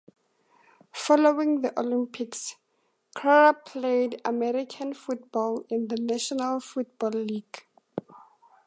Following the Olympics, Carr played American football in the National Football League.